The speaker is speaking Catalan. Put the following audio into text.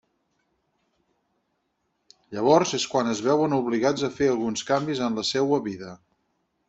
Llavors, és quan es veuen obligats a fer alguns canvis en la seua vida.